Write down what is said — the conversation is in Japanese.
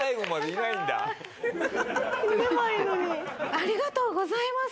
ありがとうございます。